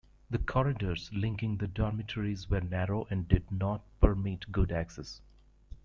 The corridors linking the dormitories were narrow and did not permit good access.